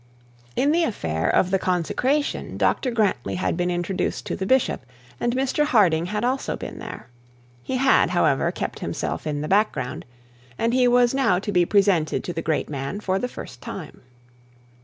In the affair of the consecration of Dr Grantly had been introduced to the bishop, and Mr Harding had also been there. He had, however, kept himself in the background, and he was now to be presented to the great man for the first time.